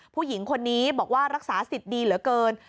ผู้หญิงคนนี้บอกว่ารักษาสิทธิ์ดีเหลือเกิน